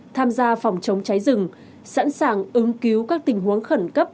tham gia phòng chống cháy rừng sẵn sàng ứng cứu các tình huống khẩn cấp